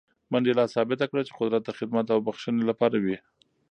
منډېلا ثابته کړه چې قدرت د خدمت او بښنې لپاره وي.